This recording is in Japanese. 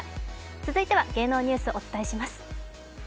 続いては芸能ニュースをお伝えします。